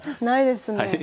ないですね。